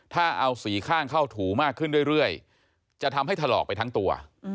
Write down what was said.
ถ้าเอาสีข้างเข้าถูมากขึ้นเรื่อยจะทำให้ถลอกไปทั้งตัว